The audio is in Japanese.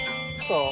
そう。